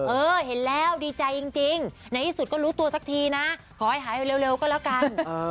เออเห็นแล้วดีใจจริงในที่สุดก็รู้ตัวสักทีนะขอให้หายเร็วก็แล้วกัน